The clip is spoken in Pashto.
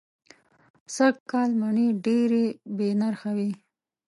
سږ کال مڼې دېرې بې نرخه وې.